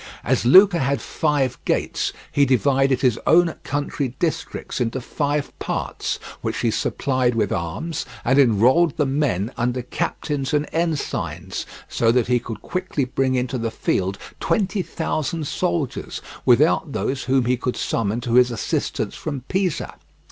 As Lucca had five gates, he divided his own country districts into five parts, which he supplied with arms, and enrolled the men under captains and ensigns, so that he could quickly bring into the field twenty thousand soldiers, without those whom he could summon to his assistance from Pisa.